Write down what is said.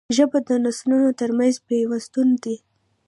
ژبه د نسلونو ترمنځ پیوستون دی